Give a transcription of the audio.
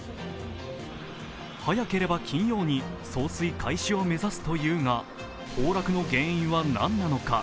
早ければ金曜に送水開始を目指すというが、崩落の原因は何なのか。